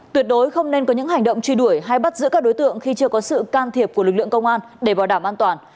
tuyệt đối không nên có những hành động truy đuổi hay bắt giữ các đối tượng khi chưa có sự can thiệp của lực lượng công an để bảo đảm an toàn